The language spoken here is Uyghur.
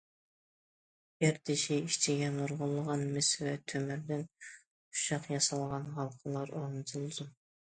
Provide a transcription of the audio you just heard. گەردىشى ئىچىگە نۇرغۇنلىغان مىس ۋە تۆمۈردىن ئۇششاق ياسالغان ھالقىلار ئورنىتىلىدۇ.